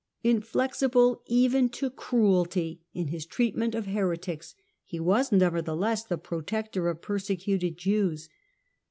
Inflexible even to cruelty in his treat ment of heretics, he was nevertheless the protector of the persecuted Jews.